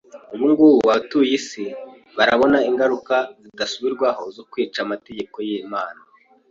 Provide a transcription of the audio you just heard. Ubungubu abatuye isi barabona ingaruka zidasubirwaho zo kwica amategeko y’Imana.